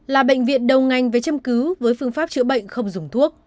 là bệnh viện đầu ngành về châm cứu với phương pháp chữa bệnh không dùng thuốc